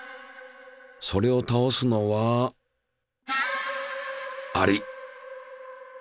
それをたおすのはアリ！